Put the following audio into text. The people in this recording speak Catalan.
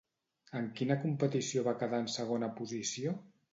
En quina competició va quedar en segona posició?